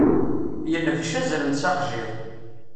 Yenbec azrem s axjiḍ.